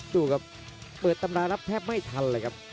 ดูครับเปิดตำรารับแทบไม่ทันเลยครับ